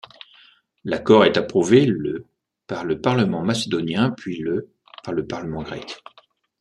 L'accord est approuvé le par le Parlement macédonien puis le par le Parlement grec.